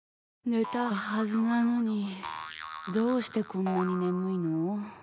寝たはずなのにどうしてこんなに眠いの。